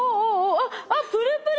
あっプルプル！